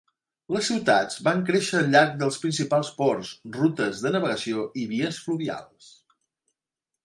Les ciutats van créixer al llarg dels principals ports, rutes de navegació i vies fluvials.